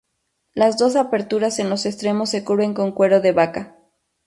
Las dos aberturas en los extremos se cubren con cuero de vaca.